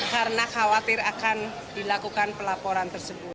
karena khawatir akan dilakukan pelaporan tersebut